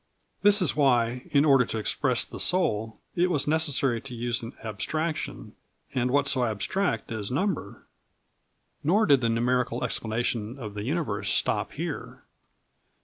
This is why, in order to express the soul, it was necessary to use an abstraction; and what so abstract as number? Nor did the numerical explanation of the universe stop here.